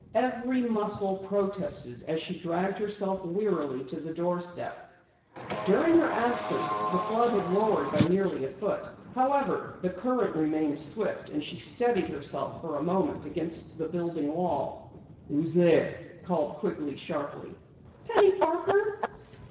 Every muscle protested as she dragged herself wearily to the doorstep. During her absence the flood had lowered by nearly a foot. However, the current remained swift, and she steadied herself for a moment against the building wall. "Who's there?" called Quigley sharply. "Penny Parker."